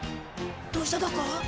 どうしただか？